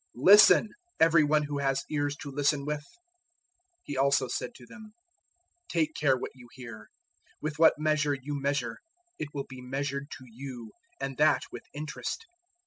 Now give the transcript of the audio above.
004:023 Listen, every one who has ears to listen with!" 004:024 He also said to them, "Take care what you hear. With what measure you measure, it will be measured to you, and that with interest.